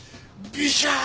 ビシャー！